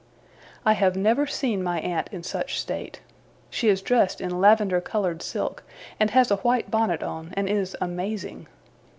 I have never seen my aunt in such state. She is dressed in lavender coloured silk, and has a white bonnet on, and is amazing.